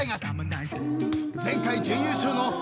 ［前回準優勝の］